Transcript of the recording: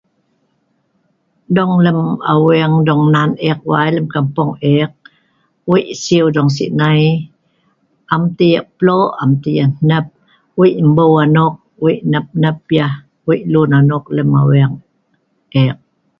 dong lem aweng dong nan eek wai kampong eek, wei' siew dong si' nai, am tah yah plo' am tah yah hnep, wei' mbou anok, wei' hnep hnep yah, wei' lun anok lem aweng eek